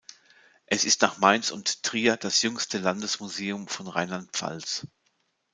Es ist nach Mainz und Trier das jüngste Landesmuseum von Rheinland-Pfalz.